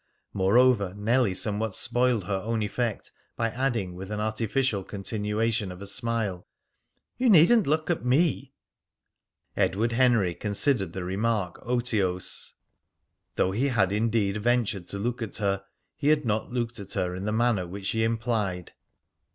Moreover, Nellie somewhat spoiled her own effect by adding with an artificial continuation of the smile, "You needn't look at me!" Edward Henry considered the remark otiose. Though he had indeed ventured to look at her, he had not looked at her in the manner which she implied.